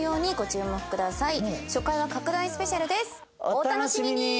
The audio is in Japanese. お楽しみにー！